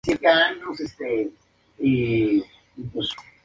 El Mockingbird de esta versión del equipo finalmente se revela como Lex Luthor.